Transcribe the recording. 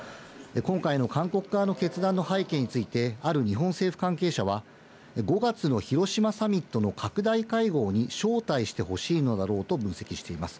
今回の韓国側の決断の背景について、ある日本政府関係者は、５月の広島サミットの拡大会合に招待してほしいのだろうと分析しています。